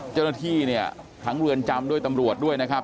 เจ้าหน้าที่เนี่ยทั้งเรือนจำด้วยตำรวจด้วยนะครับ